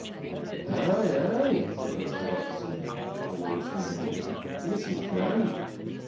"Ay, ay!" said Mr. Buxton, when they were shown to him; "this is grand!